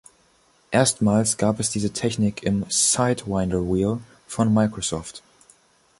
Erstmals gab es diese Technik im "Sidewinder Wheel" von Microsoft.